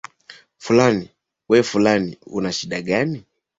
Fulani, we fulani una shida gani?